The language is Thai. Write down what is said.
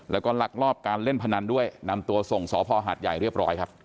แล้วก็ลักลอบการเล่นพนันด้วยนำตัวส่งสพหาดใหญ่เรียบร้อยครับ